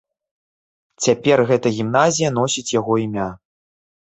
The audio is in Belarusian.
Цяпер гэта гімназія носіць яго імя.